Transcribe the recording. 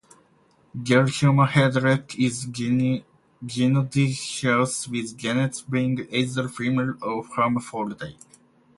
"Glechoma hederecea" is gynodiecious, with genets being either female or hermaphrodite.